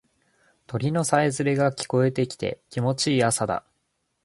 鳥のさえずりが聞こえてきて気持ちいい朝だ。